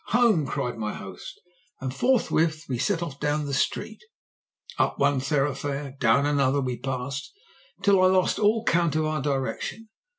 "'Home,' cried my host, and forthwith we set off down the street. Up one thoroughfare and down another we passed, until I lost all count of our direction.